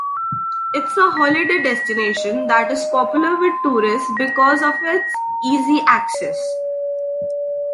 It's a holiday destination that is popular with tourists because of its easy access.